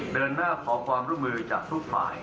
เดินหน้าขอความร่วมมือจากทุกฝ่าย